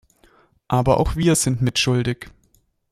Aber auch wir sind mitschuldig.